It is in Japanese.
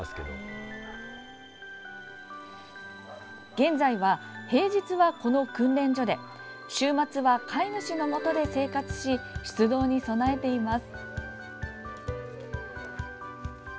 現在は、平日はこの訓練所で週末は飼い主の元で生活し出動に備えています。